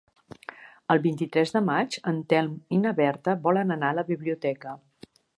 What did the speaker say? El vint-i-tres de maig en Telm i na Berta volen anar a la biblioteca.